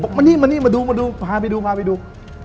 บอกมานี่มาดูพาไปดู